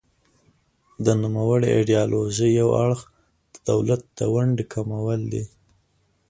د نوموړې ایډیالوژۍ یو اړخ د دولت د ونډې کمول دي.